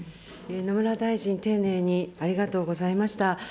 野村大臣、丁寧にありがとうございました。